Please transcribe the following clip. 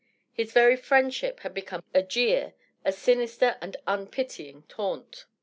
His very friendship had become a jest, a jeer, a sinister and un pitying taunt.